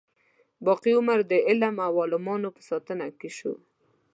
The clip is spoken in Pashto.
باقي عمر د علم او عالمانو په ساتنه کې شو.